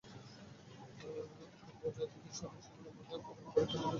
এতে বোঝা যায়, তাঁরা স্বাধীনতাসংগ্রামের অগ্নিপরীক্ষা দিলেও পদের লোভ ছাড়তে পারেননি।